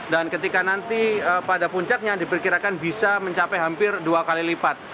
dan ketika nanti pada puncaknya diperkirakan bisa mencapai hampir dua kali lipat